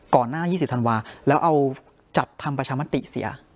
ก่อนหน้ายี่สิบธันวาแล้วเอาจัดทำปัจฉามติเสีย